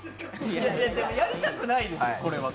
やりたくないですよ。